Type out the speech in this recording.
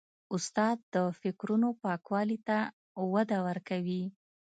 استاد د فکرونو پاکوالي ته وده ورکوي.